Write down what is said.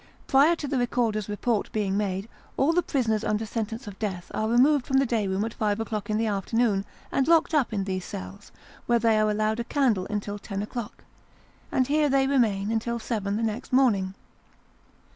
Prior to the recorder's report being made, all the prisoners under sentence of death are removed from the day room at five o'clock in the afternoon, and locked up in these cells, where they are allowed a candle until ten o'clock ; and here they remain until seven next morning.